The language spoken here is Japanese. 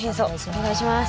お願いします。